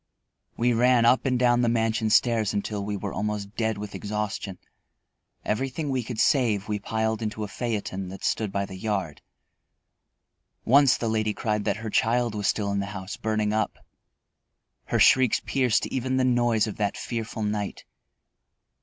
We ran up and down the mansion stairs until we were almost dead with exhaustion. Everything we could save we piled into a phaeton that stood by the yard. Once the lady cried that her child was still in the house, burning up. Her shrieks pierced even the noise of that fearful night.